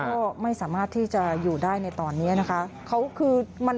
ก็ไม่สามารถที่จะอยู่ได้ในตอนนี้นะคะ